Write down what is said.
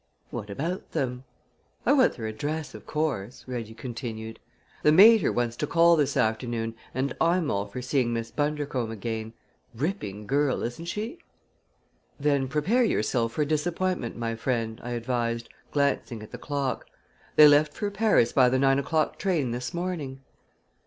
"What about them?" "I want their address, of course," Reggie continued. "The mater wants to call this afternoon and I'm all for seeing Miss Bundercombe again. Ripping girl, isn't she?" "Then prepare yourself for a disappointment, my friend," I advised, glancing at the clock. "They left for Paris by the nine o'clock train this morning."